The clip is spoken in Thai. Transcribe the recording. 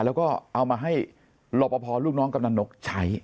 แล้วก็เอามาให้รอปภลูกน้องกำนันนกใช้